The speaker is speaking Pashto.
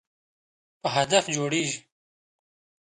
په هدف جوړیږي.